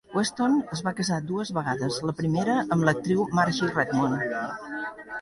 Weston es va casar dues vegades, la primera amb l'actriu Marge Redmond.